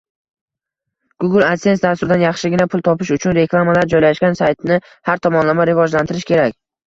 Google adsense dasturidan yaxshigina pul topish uchun reklamalar joylashgan saytni har tomonlama rivojlantirish kerak